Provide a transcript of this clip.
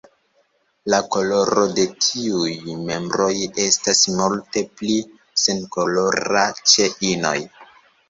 La koloro de tiuj membroj estas multe pli senkolora ĉe inoj.